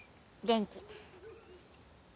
元気。